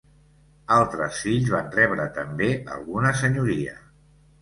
Altres fills van rebre també alguna senyoria.